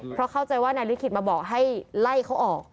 เพราะเข้าใจว่านายลิขิตมาบอกให้ไล่เขาออก